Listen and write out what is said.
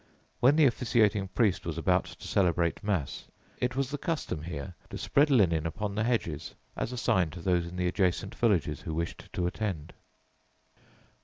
When the officiating priest was about to celebrate Mass, it was the custom here to spread linen upon the hedges as a sign to those in the adjacent villages who wished to attend.